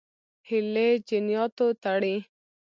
هیلې جنیاتو تړي.